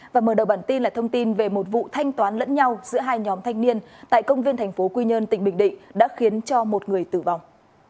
và mở đầu bản tin là thông tin về một vụ thanh toán lẫn nhau giữa hai nhóm thanh niên tại công viên thành phố quy nhơn tỉnh bình định đã khiến cho một người tử vong